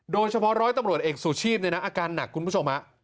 เฉพาะร้อยตำรวจเอกชูชีพเนี่ยนะอาการหนักคุณผู้ชมฮะ